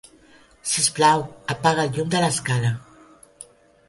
Sisplau, apaga el llum de l'escala.